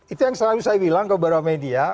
itu yang selalu saya bilang ke beberapa media